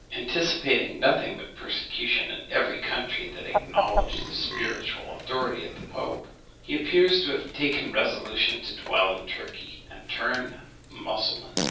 Anticipating nothing but persecution in every country that acknowledged the spiritual authority of the pope, he appears to have taken the resolution to dwell in Turkey, and turn Mussulman.